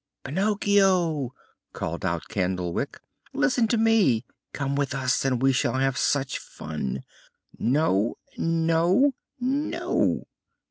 "Pinocchio!" called out Candlewick, "listen to me: come with us and we shall have such fun." "No, no, no!"